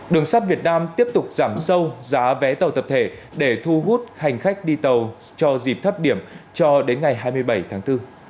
đường sắt việt nam tiếp tục giảm sâu giá vé tàu tập thể để thu hút hành khách đi tàu cho dịp thấp điểm cho đến ngày hai mươi bảy tháng bốn